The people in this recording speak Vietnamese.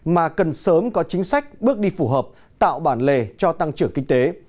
mà cần sớm có chính sách bước đi phù hợp tạo bản lề cho tăng trưởng kinh tế